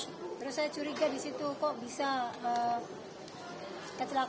terus saya curiga disitu kok bisa kecelakaan yang hebat kayak gitu